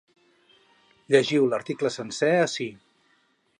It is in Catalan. Llegiu l’article sencer ací.